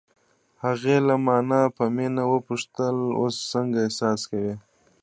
هغې له مانه په مینه وپوښتل: اوس څنګه احساس کوې؟